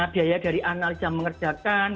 biaya dari analisa mengerjakan